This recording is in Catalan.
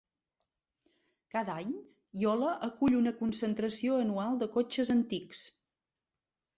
Cada any, Iola acull una concentració anual de cotxes antics.